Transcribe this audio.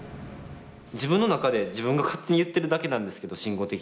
自分の中で自分が勝手に言ってるだけなんですけど慎吾的には。